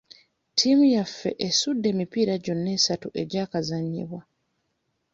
Ttiimu yaffe esudde emipiira gyonna esatu egyakazannyibwa.